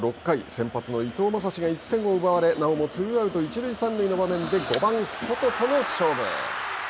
先発の伊藤将司が１点を奪われなおもツーアウト一塁三塁の場面で５番ソトとの勝負。